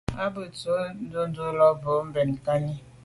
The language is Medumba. A be z’o tshob ndùlàlà mb’o bèn mbe nkagni.